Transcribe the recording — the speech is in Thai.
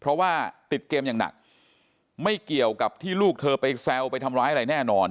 เพราะว่าติดเกมอย่างหนักไม่เกี่ยวกับที่ลูกเธอไปแซวไปทำร้ายอะไรแน่นอน